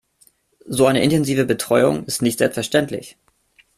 So eine intensive Betreuung ist nicht selbstverständlich.